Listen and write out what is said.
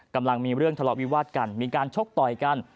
กำลังมีเรื่องทะเลาะวิวาดกันมีการชกต่อยกัน